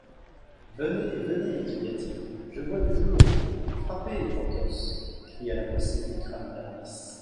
Venez ! venez ! cria-t-il, je vois du jour ! Frappez, Porthos ! cria la voix sépulcrale d'Aramis.